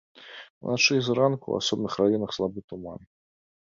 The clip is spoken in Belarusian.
Уначы і зранку ў асобных раёнах слабы туман.